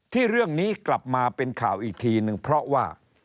ที่เรื่องนี้กลับมาเป็นข่าวอีกทีนึงเพราะว่า